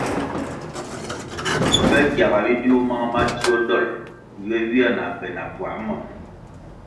Pe gyaga bidiu mang madzio dolʼ ywe ywia na be na puā monʼ.